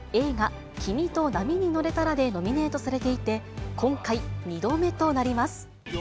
湯浅監督はおととし、映画、きみと、波にのれたらでノミネートされていて、今回２度目となります。